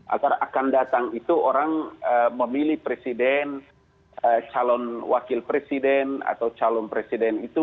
agar akan datang itu orang memilih presiden calon wakil presiden atau calon presiden itu